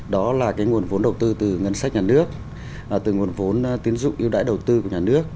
đó là nguồn vốn đầu tư từ ngân sách nhà nước từ nguồn vốn tiến dụng yêu đại đầu tư của nhà nước